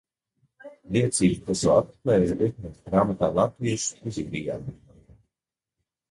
"Liecības par šo apmeklējumu iekļautas grāmatā "Latviešus Sibīrijā meklējot"."